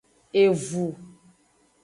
Evu.